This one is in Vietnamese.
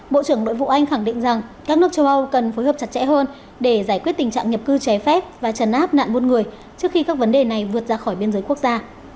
bộ trưởng nội vụ anh khẳng định rằng các nước châu âu cần phối hợp chặt chẽ hơn để giải quyết tình trạng nhập cư trái phép và trần áp nạn buôn người trước khi các vấn đề này vượt ra khỏi biên giới quốc gia